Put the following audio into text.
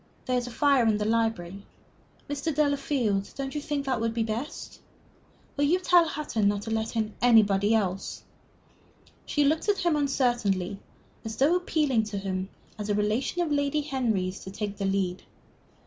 There is a fire in the library. Mr. Delafield, don't you think that would be best?... Will you tell Hutton not to let in anybody else?" She looked at him uncertainly, as though appealing to him, as a relation of Lady Henry's, to take the lead.